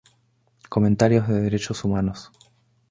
Comentarios de Derechos Humanos